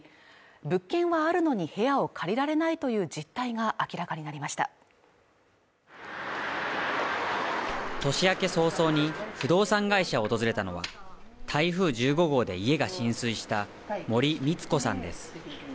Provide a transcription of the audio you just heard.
物件はあるのに部屋を借りられないという実態が明らかになりました年明け早々に不動産会社を訪れたのは台風１５号で家が浸水した森みつ子さんです